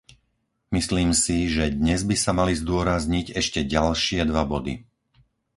Myslím si, že dnes by sa mali zdôrazniť ešte ďalšie dva body.